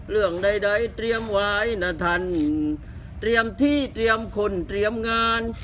เรื่องใดเตรียมไว้นะท่านเตรียมที่เตรียมคนเตรียมงาน